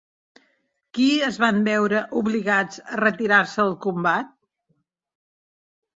Qui es van veure obligats a retirar-se del combat?